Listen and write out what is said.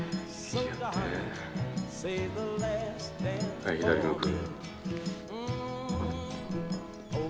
はい左向く。